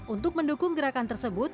untuk mendukung gerakan tersebut